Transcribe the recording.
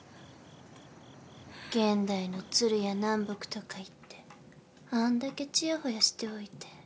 現代の鶴屋南北とか言ってあんだけチヤホヤしておいて。